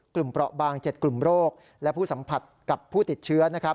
กลุ่มประบาง๗กลุ่มโรคและผู้สัมผัสกับผู้ติดเชื้อ